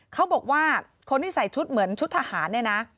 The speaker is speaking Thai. เขาบอกว่าคนที่ใส่ชุดเหมือนชุดทหารเนี่ยนะ